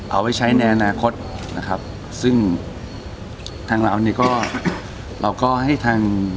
เอาไว้ใช้ในอนาคตนะครับซึ่งทางเรานี่ก็เราก็ให้ทาง